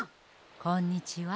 こんにちは。